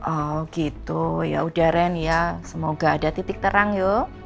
oh gitu ya udaran ya semoga ada titik terang yuk